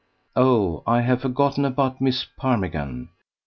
Oh! I have forgotten about Mrs. Parmigan!